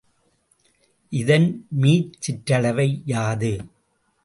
இதன் மீச்சிற்றளவை யாது?